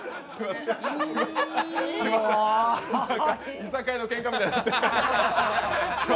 居酒屋のけんかみたいになってる。